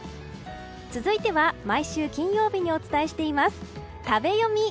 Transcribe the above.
続いては毎週金曜日にお伝えしています食べヨミ。